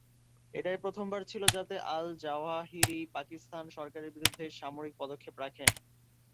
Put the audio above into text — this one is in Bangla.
এটাই প্রথমবার ছিল, যাতে আল-জাওয়াহিরি পাকিস্তান সরকারের বিরুদ্ধে সামরিক পদক্ষেপ রাখেন।